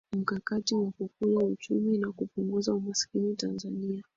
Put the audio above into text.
Mkakati wa Kukuza Uchumi na Kupunguza Umaskini Tanzania